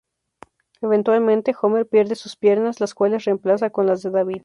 Eventualmente, Homer pierde sus piernas, las cuales reemplaza con las de David.